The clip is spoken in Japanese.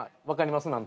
分かります？